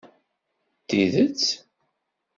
Tidet?